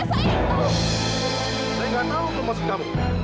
saya nggak tahu kemosik kamu